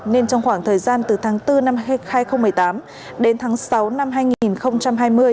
nên trong khoảng thời gian từ tháng bốn năm hai nghìn một mươi tám đến tháng sáu năm hai nghìn hai mươi